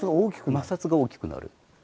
摩擦が大きくなる。